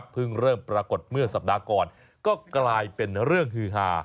เริ่มปรากฏเมื่อสัปดาห์ก่อนก็กลายเป็นเรื่องฮือฮา